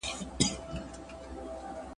یو پراخ او ښکلی چمن دی ..